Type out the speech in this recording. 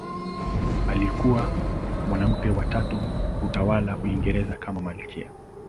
Alikuwa mwanamke wa tatu kutawala Uingereza kama malkia.